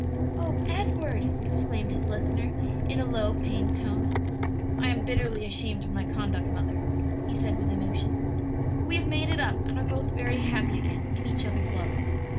"O Edward!" exclaimed his listener in a low, pained tone. "I am bitterly ashamed of my conduct, mother," he said with emotion, "but we have made it up and are both very happy again in each other's love.